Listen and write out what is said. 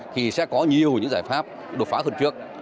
thì sẽ có nhiều những giải pháp đột phá hơn trước